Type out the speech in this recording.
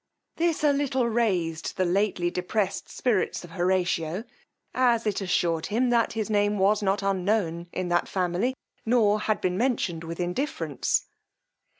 This a little raised the lately depressed spirits of Horatio, as it assured him his name was not unknown in that family, nor had been mentioned with indifference.